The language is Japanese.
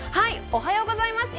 おはようございます。